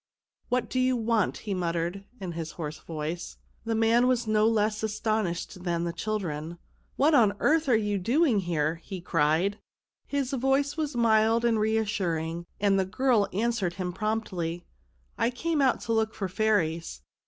" What do you want ?" he muttered, hi his hoarse voice. The man was no less astonished than the children. " What on earth are you doing here ?" he cried. His voice was mild and reassuring, and the girl answered him promptly. " I came out to look for fairies."